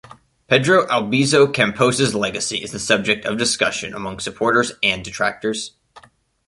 Pedro Albizu Campos's legacy is the subject of discussion among supporters and detractors.